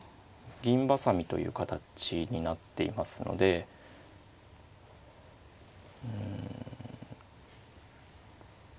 銀挟みという形になっていますのでうん。